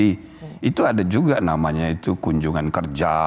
itu ada juga namanya itu kunjungan kerja